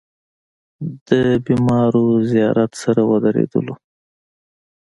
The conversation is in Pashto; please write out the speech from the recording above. د بېمارو زيارت سره ودرېدلو.